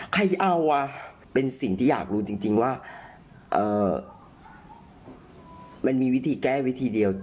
ใครเอาเป็นสิ่งที่อยากรู้จริงว่ามันมีวิธีแก้วิธีเดียว